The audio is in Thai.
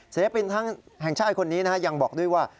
ศิลปินทั้งแห่งชาติคนนี้ยังบอกด้วยว่า